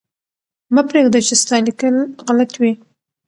مه پرېږده چې ستا لیکل غلط وي.